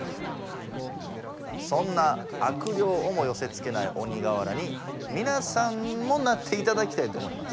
そんな悪霊をもよせつけない鬼瓦にみなさんもなっていただきたいと思います。